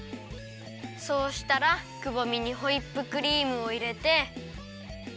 そうしたらくぼみにホイップクリームをいれて。